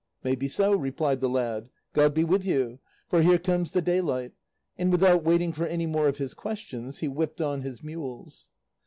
"May be so," replied the lad; "God be with you, for here comes the daylight;" and without waiting for any more of his questions, he whipped on his mules.